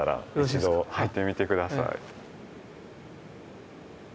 一度入ってみて下さい。